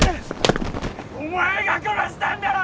お前が殺したんだろう！